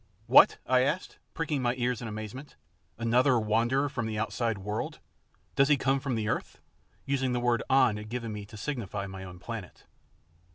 "What!" I asked, pricking my ears in amazement, "another wanderer from the outside world! Does he come from the earth?" using the word An had given me to signify my own planet.